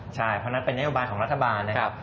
ใช่เพราะนั้นเป็นนโยบายของรัฐบาลนะครับ